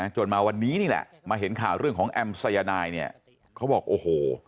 จนมาวันนี้นี่แหละมาเห็นข่าวเรื่องของแอมสายนายเนี่ยเขาบอกโอ้โห